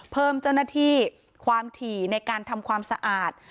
เพิ่มเจ้าหน้าที่ความถี่ในการทำความสะอาด